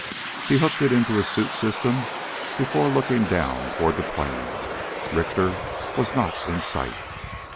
He hooked it into his suit system before looking down toward the plain. Richter was not in sight.